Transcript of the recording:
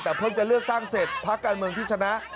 แต่เพิ่งจะเลือกตั้งเสร็จพักการเมืองที่ชนะ